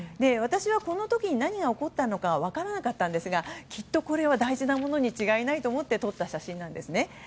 私はこの時に何が起こったのか分からなかったんですがきっとこれは大事なものに違いないと思って撮った写真なんですね。